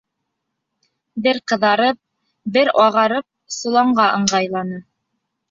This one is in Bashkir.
Бер ҡыҙарып, бер ағарып, соланға ыңғайланы.